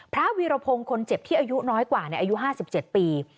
พระวิรพงศ์คนเจ็บที่อายุน้อยกว่าเนี่ยอายุห้าสิบเจ็ดปี